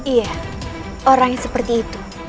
iya orang seperti itu